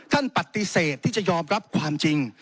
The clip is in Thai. ท่านปฏิเสธที่จะยอมรับความจริง